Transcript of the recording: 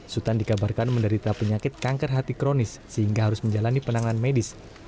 sultan dikabarkan menderita penyakit kanker hati kronis sehingga harus menjalani penanganan medis